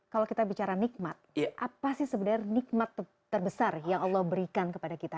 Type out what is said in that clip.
kalau kita bicara nikmat apa sih sebenarnya nikmat terbesar yang allah berikan kepada kita